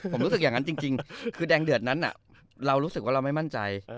ผมรู้สึกอย่างนั้นจริงคือแดงเดือดนั้นเรารู้สึกว่าเราไม่มั่นใจ